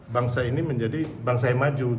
bangsa ini menjadi bangsa yang maju